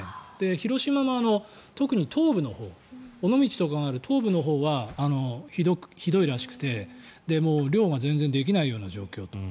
広島も特に東部のほう尾道とかよりも東部のほうがひどいらしくて漁が全然できない状況と。